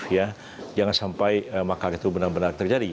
ya jangan sampai makar itu benar benar terjadi